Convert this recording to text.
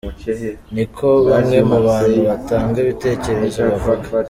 Ni ko bamwe mu bantu batanga ibitekerezo bavuga.